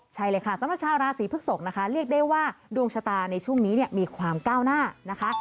ใช่เลยค่ะสำหรับชาวราศีพฤกษกนะคะเรียกได้ว่าดวงชะตาในช่วงนี้เนี่ยมีความก้าวหน้านะคะ